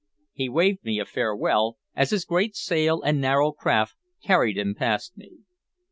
He waved me a farewell, as his great sail and narrow craft carried him past me.